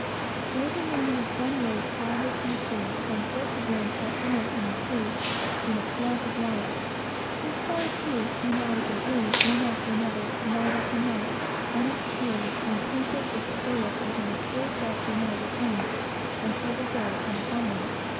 Every morning the sun rose cloudless from the sea, and set again at night, in the sea, in a flood of light. The stars, too, came out of the blue, one after another, night after night, unobscured, and twinkled as clear as on a still frosty night at home, until the day came upon them.